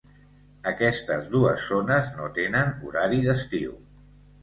Aquestes dues zones no tenen horari d'estiu.